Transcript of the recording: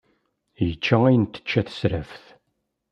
Yečča ayen tečča tesraft.